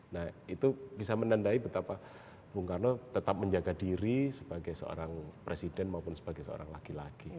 nah itu bisa menandai betapa bung karno tetap menjaga diri sebagai seorang presiden maupun sebagai seorang laki laki